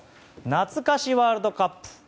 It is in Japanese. なつか史ワールドカップ。